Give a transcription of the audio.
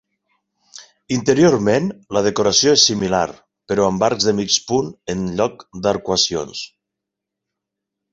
Interiorment, la decoració és similar, però amb arcs de mig punt en lloc d'arcuacions.